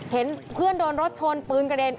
เห็นเพื่อนโดนรถชนปืนกระเด็น